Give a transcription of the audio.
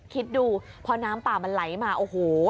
คิดดูพอน้ำป่ามันไหลมาโอ้โห